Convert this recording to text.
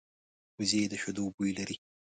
وزې د شیدو بوی لري